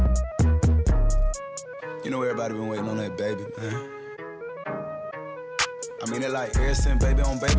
jadi kalau itu berarti saya akan ke indonesia untuk bermain saya akan suka